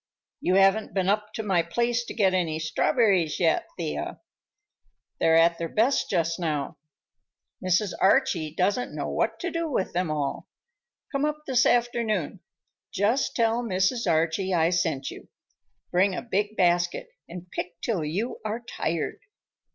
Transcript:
"You haven't been up to my place to get any strawberries yet, Thea. They're at their best just now. Mrs. Archie doesn't know what to do with them all. Come up this afternoon. Just tell Mrs. Archie I sent you. Bring a big basket and pick till you are tired."